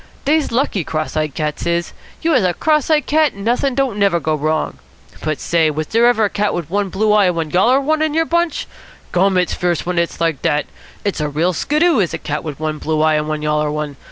"Dey's lucky, cross eyed cats is. You has a cross eyed cat, and not'in' don't never go wrong. But, say, was dere ever a cat wit one blue eye and one yaller one in your bunch? Gum, it's fierce when it's like dat. It's a real skiddoo, is a cat wit one blue eye and one yaller one.